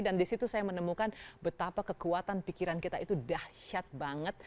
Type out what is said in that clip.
dan di situ saya menemukan betapa kekuatan pikiran kita itu dahsyat banget